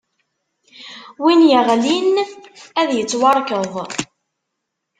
Win iɣlin ad ittwarkeḍ.